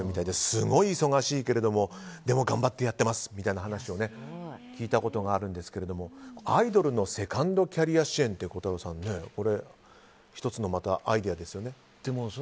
すごい忙しいけれどもでも頑張ってやってますという話を聞いたことがあるんですけどアイドルのセカンドキャリア支援ということで孝太郎さん１つのアイデアですよね。